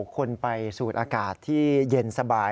คนไปสูดอากาศที่เย็นสบาย